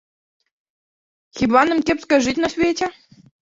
Хіба нам кепска жыць на свеце?